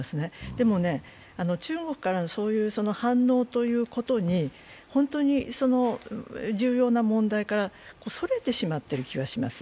でも中国からのそういう反応に本当に重要な問題からそれてしまっている気がします。